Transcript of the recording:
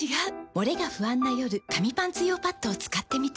モレが不安な夜紙パンツ用パッドを使ってみた。